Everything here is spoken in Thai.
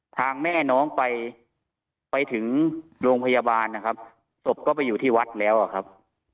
ทางแม่น้องไปไปถึงโรงพยาบาลนะครับศพก็ไปอยู่ที่วัดแล้วอะครับ